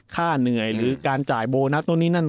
ค่าเหนื่อยหรือการจ่ายโบนัส